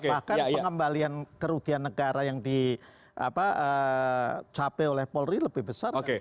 bahkan pengembalian kerugian negara yang dicapai oleh polri lebih besar